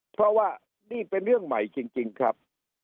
เพราะว่านี่เป็นเรื่องใหม่จริงครับ